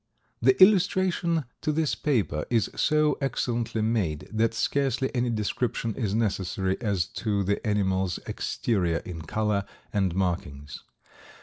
The illustration to this paper is so excellently made that scarcely any description is necessary as to the animal's exterior in color and markings.